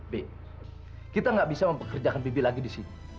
bi kita nggak bisa mempekerjakan bibi lagi di sini